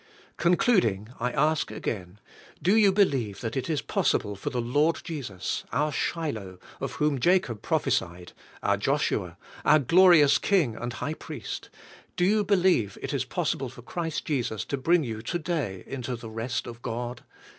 Concluding, I ask again: "Do you believe that it is possible for the Lord Jesus, our Shiloh, of whom Jacob prophesied, our Joshua, our glorious King and High Priest, — do you believe it is possi ble for Christ Jesus to bring you to day into the rest of God?